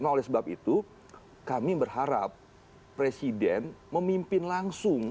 nah oleh sebab itu kami berharap presiden memimpin langsung